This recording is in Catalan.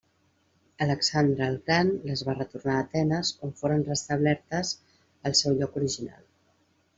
Alexandre el Gran les va retornar a Atenes on foren restablertes al seu lloc original.